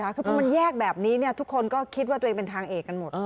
คือพอมันแยกแบบนี้ทุกคนก็คิดว่าตัวเองเป็นทางเอกกันหมด